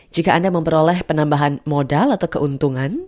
jika anda memperoleh penambahan modal atau keuntungan